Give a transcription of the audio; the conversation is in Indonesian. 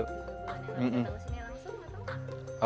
oh ini langsung datang ke sini langsung atau